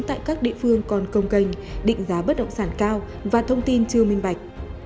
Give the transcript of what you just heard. tại các địa phương còn công canh định giá bất động sản cao và thông tin chưa minh bạch